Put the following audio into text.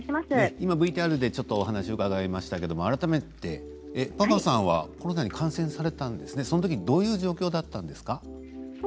今、ＶＴＲでお話を伺いましたが改めてパパさんはコロナに感染されたときどんな状況だったんですか？